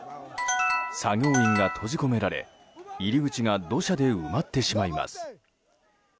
作業員が閉じ込められ入り口が土砂で埋まってしまいます。